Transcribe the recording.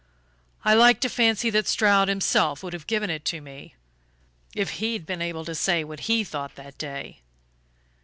"I like to fancy that Stroud himself would have given it to me, if he'd been able to say what he thought that day."